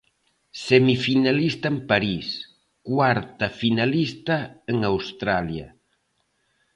Semifinalista en París, cuarta finalista en Australia.